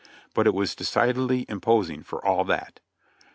But it was decidedly imposing, for all that.